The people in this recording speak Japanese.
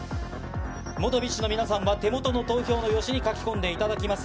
元ＢｉＳＨの皆さんは手元の投票の用紙に書き込んでいただきます。